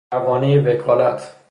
پروانهی وکالت